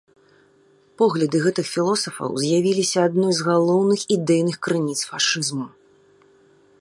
Погляды гэтых філосафаў з'явіліся адной з галоўных ідэйных крыніц фашызму.